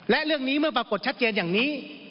และเรื่องนี้เมื่อปรากฏชัดเจนอย่างนี้